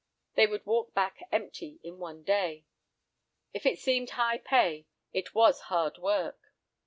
They would walk back "empty" in one day. If it seemed high pay, it was hard work.